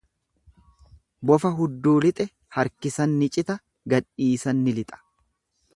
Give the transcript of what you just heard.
Bofa hudduu lixe harkisan ni cita, gadhiisan ni lixa.